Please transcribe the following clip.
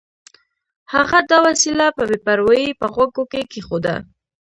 هغه دا وسیله په بې پروایۍ په غوږو کې کېښوده